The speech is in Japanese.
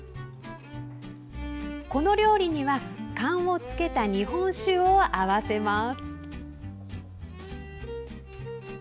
この料理には燗をつけた日本酒を合わせます。